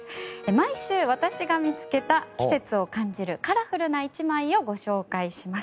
毎週私が見つけた季節を感じるカラフルな１枚をご紹介します。